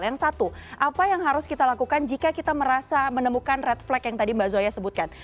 yang satu apa yang harus kita lakukan jika kita merasa menemukan red flag yang tadi mbak zoya sebutkan